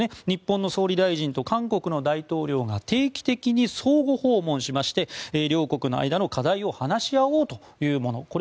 日本の総理大臣と韓国の大統領が定期的に相互訪問しまして両国の間の課題を話し合おうというもの。